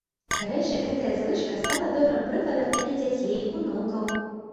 Дарэчы, гэтая звычка стала добрым прыкладам і для дзяцей, унукаў.